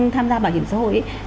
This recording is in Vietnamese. tham gia bảo hiểm xã hội